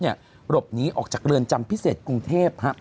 หลบหนีออกจากเรือนจำพิเศษกรุงเทพ